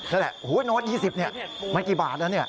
แล้วแหละโอ้โฮโน้ต๒๐บาทมากี่บาทแล้ว